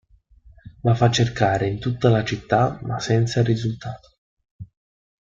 La fa cercare in tutta la città, ma senza risultato.